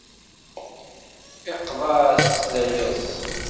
Iqḍeɛ-as layas.